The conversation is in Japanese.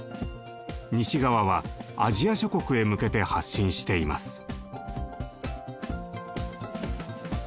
西側はアジア諸国へ向けて発信しています。